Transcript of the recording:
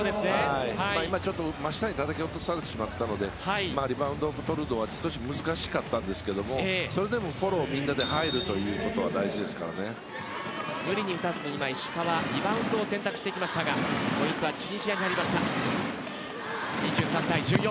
今はちょっと真下にたたき落とされたのでリバウンドをとるのは少し難しかったんですがそれでもフォローにみんなで入ることは無理に打たずに、石川は今リバウンドを選択していきましたがポイントはチュニジアに入りました。